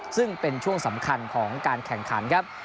ซึ่งเป็นช่วงสำคัญของการแข่งขันครับ